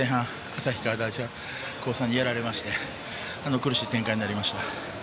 旭川大高さんにやられまして苦しい展開になりました。